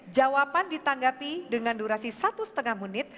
jawaban ditanggapi dengan durasi satu lima menit